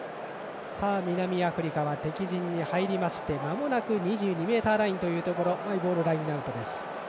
南アフリカは敵陣に入りましてまもなく２２ｍラインというところでマイボールラインアウトです。